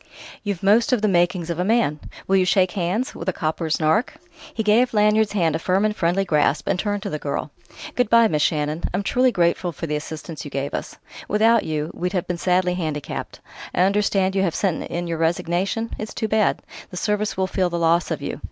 You've most of the makings of a man. Will you shake hands with a copper's nark?" He gave Lanyard's hand a firm and friendly grasp, and turned to the girl. "Good bye, Miss Shannon. I'm truly grateful for the assistance you gave us. Without you, we'd have been sadly handicapped. I understand you have sent in your resignation? It's too bad: the Service will feel the loss of you.